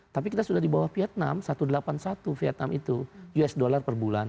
tapi kita sudah di bawah vietnam satu ratus delapan puluh satu vietnam itu usd per bulan